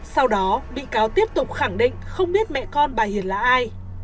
sau đó bị cáo tiếp tục khẳng định không biết mẹ con bà hiền là ai